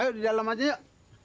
ayo di dalam aja yuk